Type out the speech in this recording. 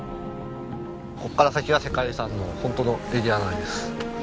ここから先が世界遺産のホントのエリア内です。